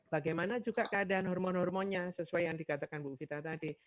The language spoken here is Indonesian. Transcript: bagaimana juga keadaan hormon hormonnya sesuai yang dikatakan bu vita tadi